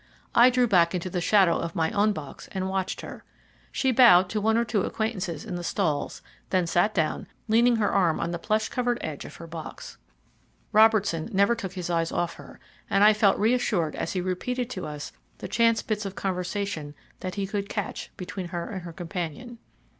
I drew back into the shadow of my own box and watched her. She bowed to one or two acquaintances in the stalls, then sat down, leaning her arm on the plush covered edge of her box. Robertson never took his eyes off her, and I felt reassured as he repeated to us the chance bits of conversation that he could catch between her and her companion.